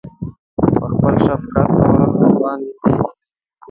په خپل شفقت او رحم باندې مې هيله ده.